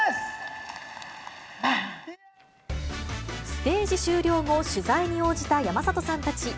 ステージ終了後、取材に応じた山里さんたち。